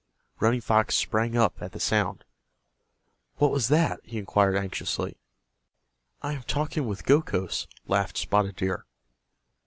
Running Fox sprang up at the sound. "What was that?" he inquired, anxiously. "I am talking with Gokhos," laughed Spotted Deer.